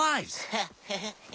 ハハハハハ。